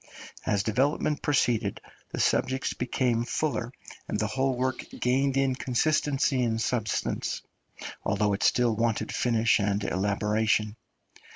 As development proceeded the subjects became fuller, and the whole work gained in consistency and substance, although it still wanted finish and elaboration.